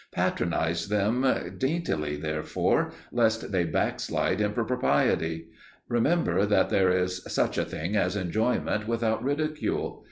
Patronize them daintily, therefore, lest they backslide into propriety; remember that there is such a thing as enjoyment without ridicule.